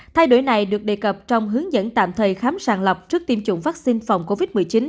thay đổi này được đề cập trong hướng dẫn tạm thời khám sàng lọc trước tiêm chủng vaccine phòng covid một mươi chín